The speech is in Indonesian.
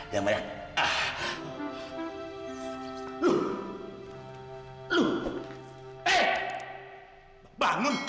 yang banyak yang banyak